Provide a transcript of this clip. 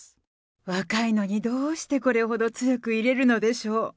若いのにどうしてこれほど強くいれるのでしょう。